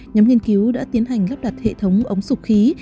nhóm nghiên cứu đã tiến hành lắp đặt hệ thống ống sụp khí